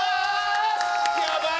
やばい！